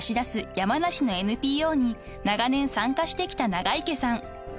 山梨のＮＰＯに長年参加してきた長池さん］